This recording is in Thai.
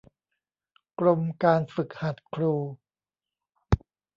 กรมการฝึกหัดครู